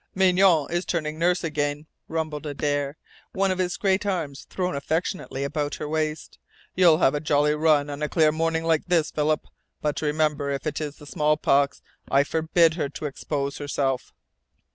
"Mignonne is turning nurse again," rumbled Adare, one of his great arms thrown affectionately about her waist. "You'll have a jolly run on a clear morning like this, Philip. But remember, if it is the smallpox I forbid her to expose herself!"